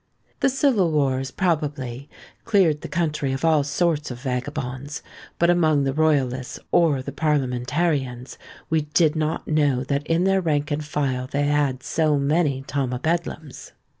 The civil wars, probably, cleared the country of all sorts of vagabonds; but among the royalists or the parliamentarians, we did not know that in their rank and file they had so many Tom o' Bedlams.